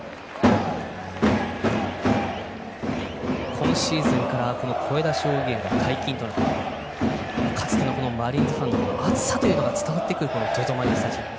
今シーズンから声出し応援が解禁となってかつてのマリーンズファンからは熱さが伝わってくるＺＯＺＯマリンスタジアム。